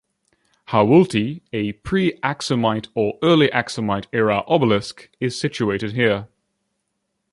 Hawulti, a pre-Aksumite or early Aksumite era obelisk, is situated here.